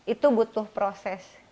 itu butuh proses